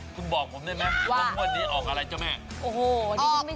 คุณบอกคุณได้ไหมว่าท่ออกอะไรแจ้วแม่